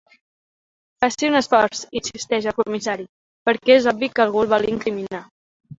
Faci un esforç —insisteix el comissari—, perquè és obvi que algú el vol incriminar.